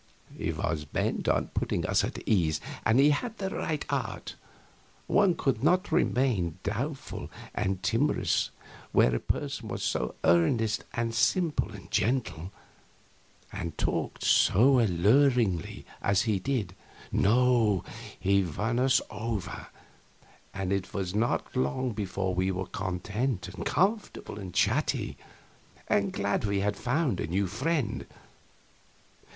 He was bent on putting us at ease, and he had the right art; one could not remain doubtful and timorous where a person was so earnest and simple and gentle, and talked so alluringly as he did; no, he won us over, and it was not long before we were content and comfortable and chatty, and glad we had found this new friend.